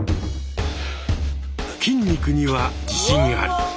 筋肉には自信あり！